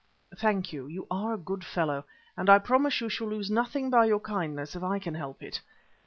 "Thank you. You are a good fellow, and I promise you shall lose nothing by your kindness if I can help it."